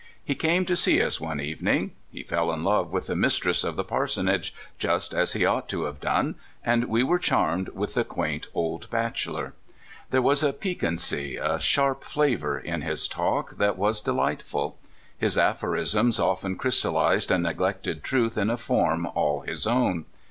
He came to see us one evening. He fell in love with the mistress of the parsonage, just as he ought to have done, and we were charmed with the quaint old bachelor. There was a piquancy, a sharp flavor, in his talk that was delightful. His aphorisms often crystallized a neg lected truth in a form all his own.